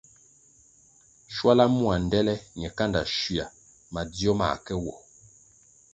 Schuala mua ndtele ñe kanda schuia madzio mãh ke wo.